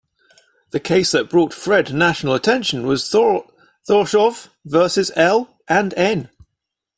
The case that brought Fred national attention was Thorshov versus L and N.